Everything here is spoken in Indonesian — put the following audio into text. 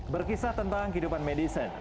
berkisah tentang kehidupan medicine